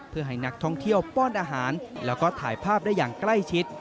เพื่อให้นักท่องเที่ยวป้อนอาหารแล้วก็ถ่ายภาพได้อย่างใกล้ชิด